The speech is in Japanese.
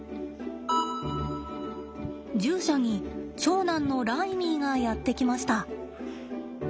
獣舎に長男のライミーがやって来ました。